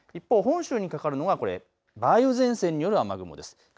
一方、本州にかかるのは梅雨前線による雨雲です。